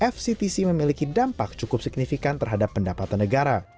fctc memiliki dampak cukup signifikan terhadap pendapatan negara